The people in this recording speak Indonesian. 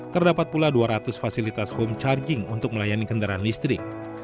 terdapat pula dua ratus fasilitas home charging untuk melayani kendaraan listrik